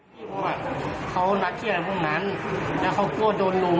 นี่ตลอดเขาหนักเชี่ยพวกนั้นแล้วเขากลัวโดนรุม